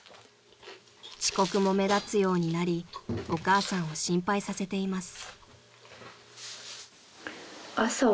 ［遅刻も目立つようになりお母さんを心配させています］